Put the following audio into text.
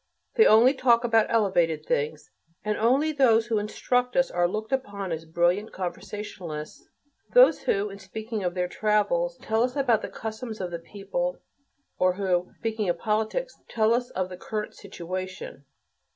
They only talk about elevated things, and only those people who instruct us are looked upon as brilliant conversationalists; those who, in speaking of their travels, tell us about the customs of the people, or who, speaking of politics, tell us of the current situation.